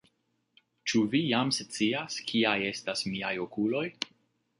Ĉu Vi jam scias, kiaj estas miaj okuloj?